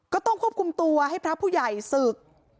ก็ต้องควบคุมตัวให้พระผู้ใหญ่ศึก